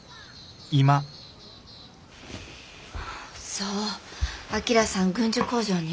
そう旭さん軍需工場に？